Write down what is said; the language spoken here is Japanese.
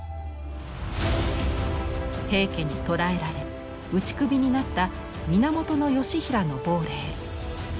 平家に捕らえられ打ち首になった源義平の亡霊。